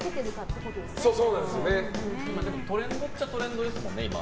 トレンドっちゃトレンドですよね。